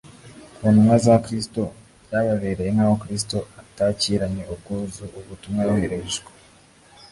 Ku ntumwa za Kristo, byababereye nk'aho Kristo atakiranye ubwuzu ubutumwa yohererejwe.